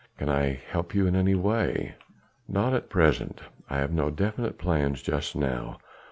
"Can I help you in any way?" "Not at present; I have no definite plans just now.